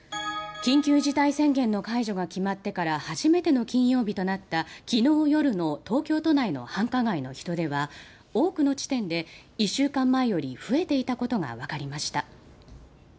緊急事態宣言の解除が決まってから初めての金曜日となった昨日夜の東京都内の繁華街の人出は多くの地点で１週間前より増えていたことがわかりました。